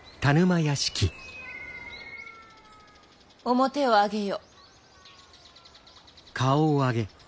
面を上げよ。